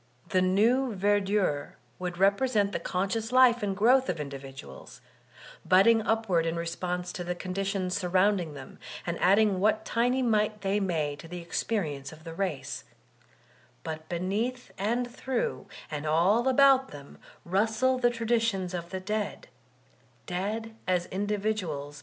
The new verdure would represent the conscious life and growth of individuals, budding up ward in response to the conditions surrounding them and adding what tiny mite they may to the experience of the race; but beneath and through, and all about them rustle the traditions of the dead— dead as individuals, Dyer D.